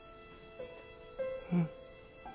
うん。